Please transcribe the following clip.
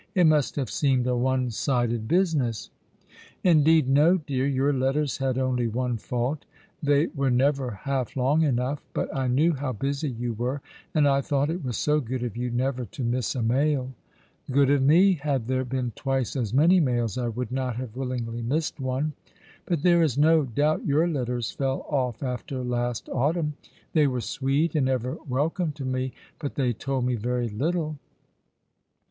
It must have seemed a one sided business ?"" Indeed, no, dear. Your letters had only one fault. They were never half long enough ; but I knew how busy you were, and I thought it was so good of you never to miss a mail." *' Good of me ! Had there been twice as many mails I would not have willingly missed one. But there is no doubt your letters fell off after last autumn. They were sweet, and ever welcome to me — but they told me very little."